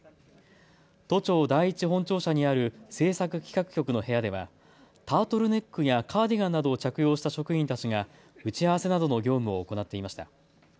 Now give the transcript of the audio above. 都庁第一本庁舎にある政策企画局の部屋ではタートルネックやカーディガンなどを着用した職員たちが打ち合わせなどの業務を行っていました。